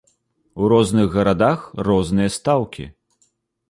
У розных гарадах розныя стаўкі.